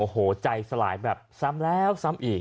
โอ้โหใจสลายแบบซ้ำแล้วซ้ำอีก